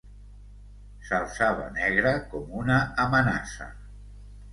...s'alçava negre com una amenaça